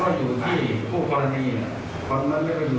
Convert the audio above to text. เราดูไม่ควรหวัดรับ